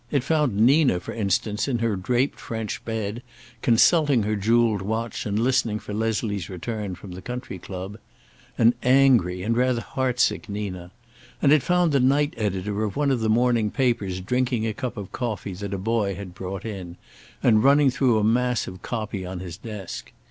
It found Nina, for instance, in her draped French bed, consulting her jeweled watch and listening for Leslie's return from the country club. An angry and rather heart sick Nina. And it found the night editor of one of the morning papers drinking a cup of coffee that a boy had brought in, and running through a mass of copy on his desk.